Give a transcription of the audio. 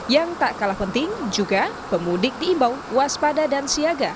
yang tak kalah penting juga pemudik diimbau waspada dan siaga